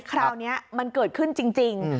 คราวนี้มันเกิดขึ้นจริง